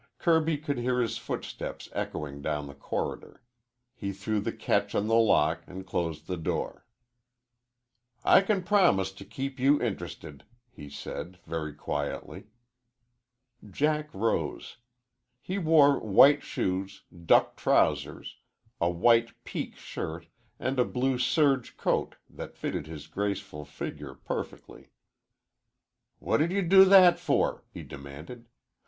Kirby could hear his footsteps echoing down the corridor. He threw the catch of the lock and closed the door. "I can promise to keep you interested," he said, very quietly. Jack rose. He wore white shoes, duck trousers, a white pique shirt, and a blue serge coat that fitted his graceful figure perfectly. "What did you do that for?" he demanded.